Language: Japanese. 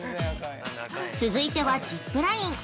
◆続いてはジップライン。